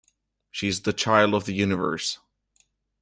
She is the child of the universe.